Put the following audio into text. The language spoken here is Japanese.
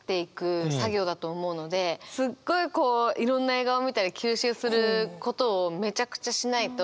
こういろんな映画を見たり吸収することをめちゃくちゃしないと。